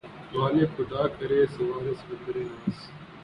غالبؔ! خدا کرے کہ‘ سوارِ سمندِ ناز